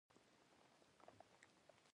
کوچنیان پر مور او پلار باندي حقوق لري